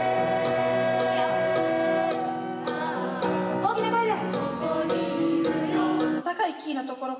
大きな声で！